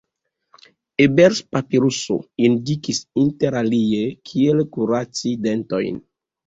Ebers-papiruso indikis interalie kiel kuraci dentojn.